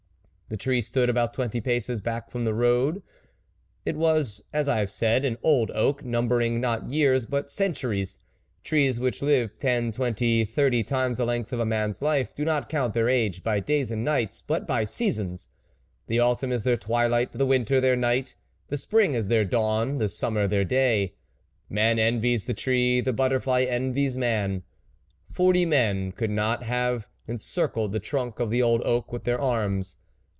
The tree stood about twenty paces back from the road ; it was, as I have said, an old oak, numbering not years, but centuries. Trees which live ten, twenty, thirty times the length of a man's life, do not count their age by days and nights, but by seasons. The autumn is their twilight, the winter, their night ; the spring is their dawn, the summer their day. Man envies the tree, the butterfly envies man. Forty men could not have encircled the trunk of the old oak with their arms.